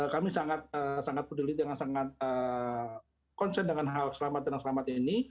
kami sangat peduli dengan sangat konsen dengan hal selamatan dan keselamatan ini